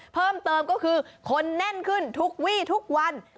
เพิ่มเติมก็คือคนแน่นขึ้นทุกวี่ทุกวัน